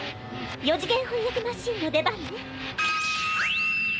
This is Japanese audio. ４次元翻訳マシーンの出番ね。